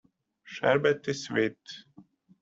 Sherbet is sweet.